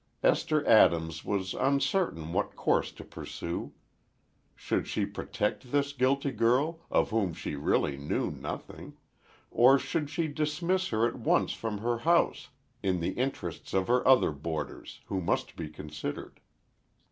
Esther Adams was uncertain what course to pursue. Should she protect this guilty girl, of whom she really knew nothing, or should she dismiss her at once from her house, in the interests of her other boarders, who must be considered?